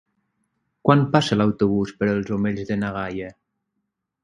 Quan passa l'autobús per els Omells de na Gaia?